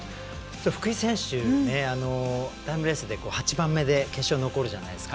福井選手はタイムレースで８番目で決勝に残るじゃないですか。